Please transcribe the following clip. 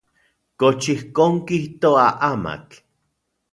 ¿Kox ijkon kijtoa amatl?